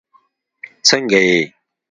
سنګه یی